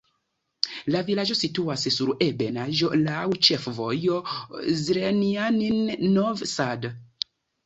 La vilaĝo situas sur ebenaĵo, laŭ ĉefvojo Zrenjanin-Novi Sad.